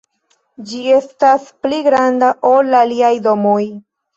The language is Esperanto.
Ĝi estas pli granda ol la aliaj domoj.